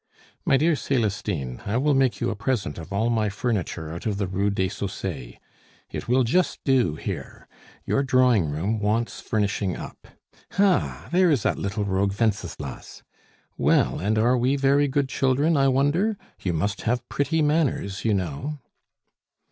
"My dear Celestine, I will make you a present of all my furniture out of the Rue des Saussayes; it will just do here. Your drawing room wants furnishing up. Ha! there is that little rogue Wenceslas. Well, and are we very good children, I wonder? You must have pretty manners, you know."